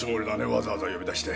わざわざ呼び出して。